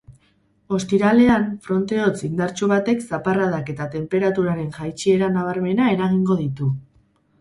Ostiralean, fronte hotz indartsu batek zaparradak eta tenperaturaren jaitsiera nabarmena eragingo ditu.